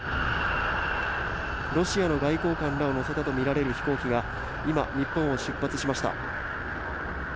ロシアの外交官らを乗せたとみられる飛行機が今、日本を出発しました。